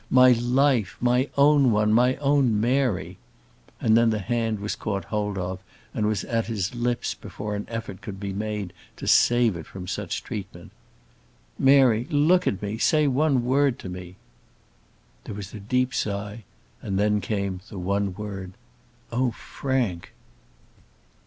"My life, my own one, my own Mary!" and then the hand was caught hold of and was at his lips before an effort could be made to save it from such treatment. "Mary, look at me; say one word to me." There was a deep sigh, and then came the one word "Oh, Frank!"